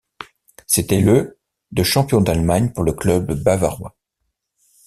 C'était le de champion d'Allemagne pour le club bavarois.